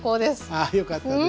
ああよかったです。